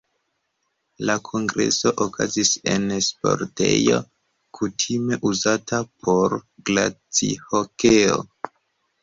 La kongreso okazis en sportejo, kutime uzata por glacihokeo.